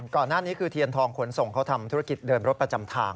ก่อนหน้านี้คือเทียนทองขนส่งเขาทำธุรกิจเดินรถประจำทาง